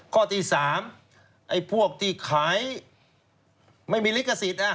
ข้อที่๓ไอ้พวกที่ขายไม่มีลิขสิทธิ์